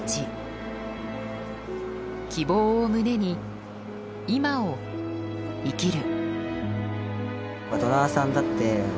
希望を胸に今を生きる。